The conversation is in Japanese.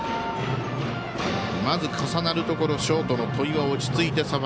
まず重なるところショートの戸井が落ち着いて。